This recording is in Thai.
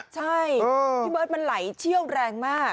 ใช่พี่เบิร์ตมันไหลเชี่ยวแรงมาก